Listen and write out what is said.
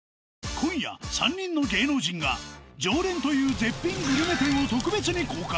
今夜３人の芸能人が常連という絶品グルメ店を特別に公開！